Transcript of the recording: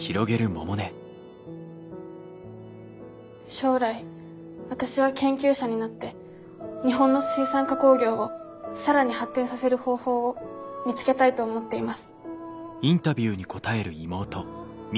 将来私は研究者になって日本の水産加工業を更に発展させる方法を見つけたいと思っています。